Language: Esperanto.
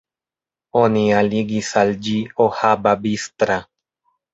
Oni aligis al ĝi Ohaba-Bistra.